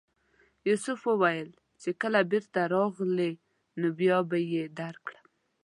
یوسف وویل چې کله بېرته راغلې نو بیا به یې درکړم.